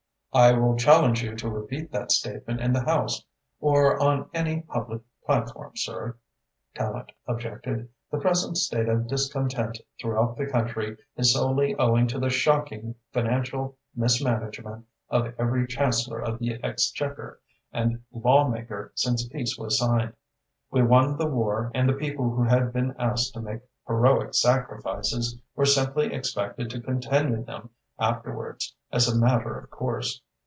"I will challenge you to repeat that statement in the House or on any public platform, sir," Tallente objected. "The present state of discontent throughout the country is solely owing to the shocking financial mismanagement of every Chancellor of the Exchequer and lawmaker since peace was signed. We won the war and the people who had been asked to make heroic sacrifices were simply expected to continue them afterwards as a matter of course.